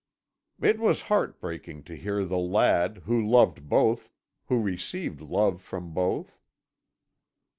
"It was heart breaking to hear the lad, who loved both, who received love from both.